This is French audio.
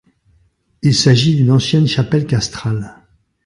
Il s'agit d'une ancienne chapelle castrale.